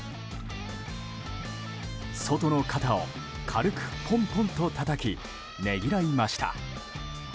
ソトの肩を軽くポンポンとたたきねぎらいました。